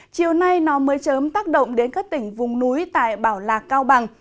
chiều nay nó mới chớm tác động đến các tỉnh vùng núi tại bảo lạc cao bằng